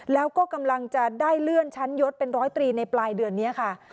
แล้วก็กำลังจะได้เลื่อนชั้นยศเป็นร้อยตรีในปลายเดือนนี้ค่ะ